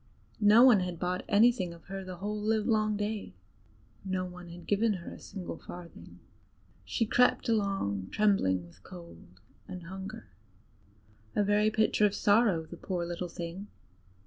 Nobody had bought anything of her the whole livelong day; no one had given her a single farthing. She crept along trembling with cold and hunger a very picture of sorrow, the poor little thing!